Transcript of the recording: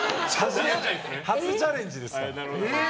初チャレンジですから。